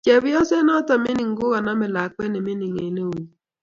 Chepyoset notok mining ko kanamei lakwet ne mining eng eunnyi